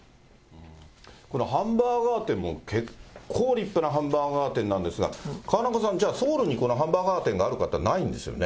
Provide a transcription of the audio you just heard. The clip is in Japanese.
ハンバーガー店も、結構立派なハンバーガー店なんですが、河中さん、じゃあ、ソウルにこのハンバーガー店があるかっていったらないんですよね。